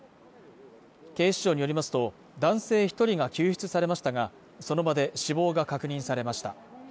警視庁によりますと、男性１人が救出されましたが、その場で死亡が確認されました。